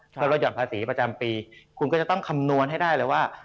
ถ้าเป็นรถหยุดภาษีประจำปีคุณก็จะต้องคำนวนให้ได้เลยว่า